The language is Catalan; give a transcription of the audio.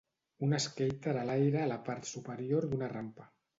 Un skater a l'aire a la part superior d'una rampa